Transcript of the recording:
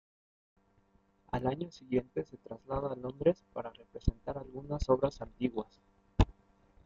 Al año siguiente se traslada a Londres para representar algunas obras antiguas.